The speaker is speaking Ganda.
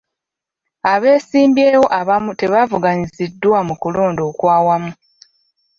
Abeesimbyewo abamu tebavuganyiziddwa mu kulonda okwa wamu.